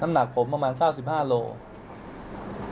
น้ำหนักผมประมาณ๙๕โลก็อันตรงนี้ผมลดประมาณเหลือ๘๐